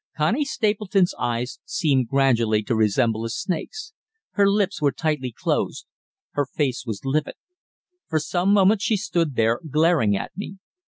Connie Stapleton's eyes seemed gradually to resemble a snake's. Her lips were tightly closed. Her face was livid. For some moments she stood there, glaring at me.